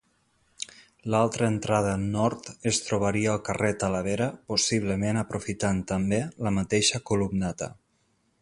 L'altra entrada nord es trobaria al carrer Talavera, possiblement aprofitant, també, la mateixa columnata.